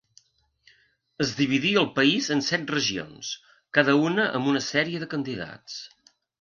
Es dividí el país en set regions, cada una amb una sèrie de candidats.